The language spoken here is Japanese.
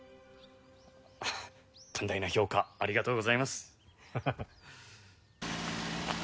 あっ寛大な評価ありがとうございます。